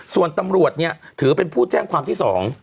ส่วนตำรวจเนี่ยถือเป็นผู้แจ้งความที่๒